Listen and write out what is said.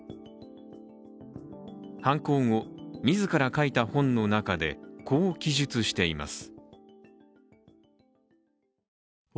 犯行後、自ら書いた本の中で、こう記述しています。